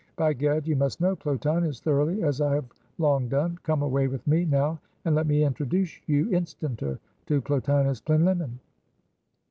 By gad, you must know Plotinus thoroughly, as I have long done. Come away with me, now, and let me introduce you instanter to Plotinus Plinlimmon."